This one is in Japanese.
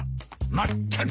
まったく！